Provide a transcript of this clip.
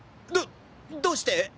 どどうして？